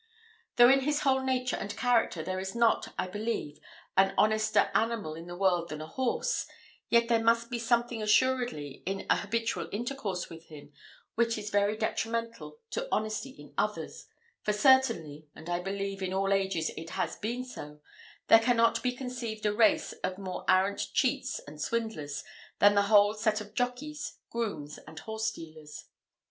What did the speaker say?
Though in his whole nature and character there is not, I believe, an honester animal in the world than a horse, yet there must be something assuredly in a habitual intercourse with him which is very detrimental to honesty in others, for certainly and I believe in all ages it has been so there cannot be conceived a race of more arrant cheats and swindlers than the whole set of jockeys, grooms, and horse dealers.